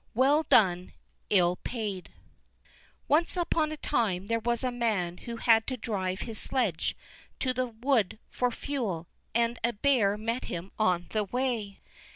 Well Done: Ill Paid Once upon a time there was a man who had to drive his sledge to the wood for fuel, and a bear met him on the way.